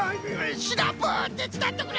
シナプーてつだっとくれ！